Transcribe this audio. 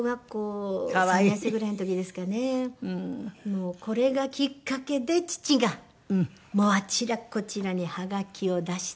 もうこれがきっかけで父があちらこちらにはがきを出して。